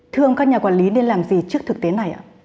thưa ông các nhà quản lý nên làm gì trước thực tế này ạ